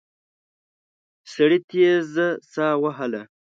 سړي تېزه ساه وهله.